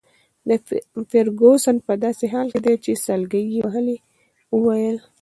فرګوسن په داسي حال کي چي سلګۍ يې وهلې وویل.